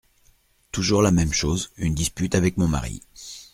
Toujours la même chose : une dispute avec mon mari.